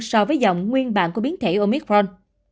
so với dòng nguyên bản của biến thể omicron